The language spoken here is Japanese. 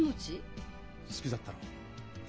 好きだったろう？